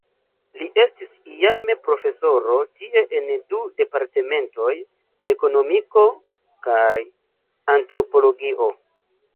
Li estis iame profesoro tie en du departementoj, Ekonomiko kaj Antropologio.